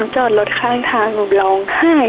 จอกรถข้างทางหนูบลง